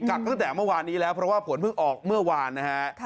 ักตั้งแต่เมื่อวานนี้แล้วเพราะว่าผลเพิ่งออกเมื่อวานนะฮะ